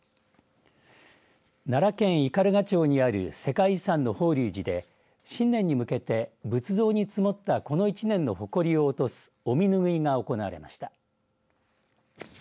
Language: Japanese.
奈良県斑鳩町にある世界遺産の法隆寺で新年に向けて仏像に積もったこの１年のほこりを落とすお身拭いが行われました。